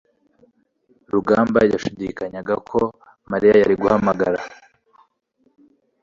Rugamba yashidikanyaga ko Mariya yari guhamagara.